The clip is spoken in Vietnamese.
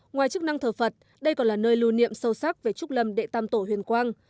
ngoài chức năng thờ phật đây còn là nơi lưu niệm sâu sắc về trúc lâm đệ tam tổ huyền quang